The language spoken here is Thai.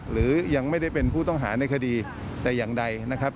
หรือยังไม่ได้เป็นผู้ต้องหาในคดีแต่อย่างใดนะครับ